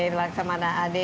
berlangsungan dengan adik